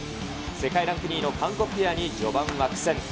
世界ランク２位の韓国ペアに序盤は苦戦。